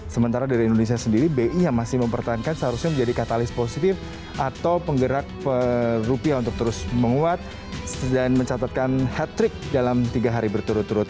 sementara dari indonesia sendiri bi yang masih mempertahankan seharusnya menjadi katalis positif atau penggerak rupiah untuk terus menguat dan mencatatkan hat trick dalam tiga hari berturut turut